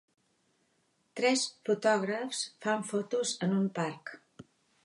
Tres fotògrafs fan fotos en un parc